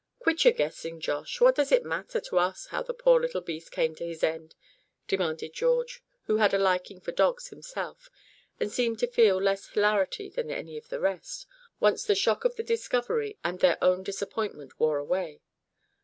"Quit your guessing, Josh; what does it matter to us how the poor little beast came to his end?" demanded George, who had a liking for dogs himself, and seemed to feel less hilarity than any of the rest, once the shock of the discovery, and their own disappointment wore away.